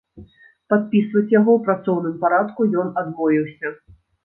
Падпісваць яго ў працоўным парадку ён адмовіўся.